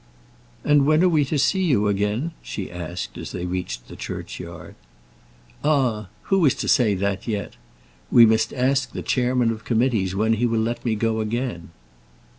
"And when are we to see you again?" she asked, as they reached the churchyard. "Ah, who is to say that yet? We must ask the Chairman of Committees when he will let me go again."